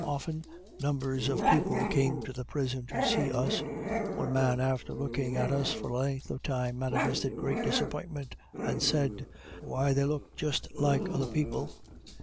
Often numbers of people came to the prison to see us one man, after looking at us for a length of time, manifested great disappointment, and said, "Why, they look just like other people."